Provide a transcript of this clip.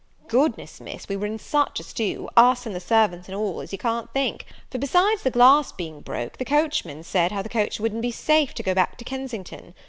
"Goodness, Miss, we were in such a stew, us, and the servants, and all, as you can't think; for, besides the glass being broke, the coachman said how the coach wouldn't be safe to go back to Kensington.